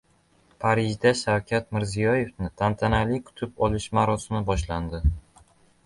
Parijda Shavkat Mirziyoyevni tantanali kutib olish marosimi boshlandi